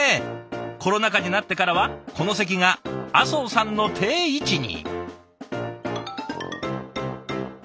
コロナ禍になってからはこの席が阿相さんの定位置に。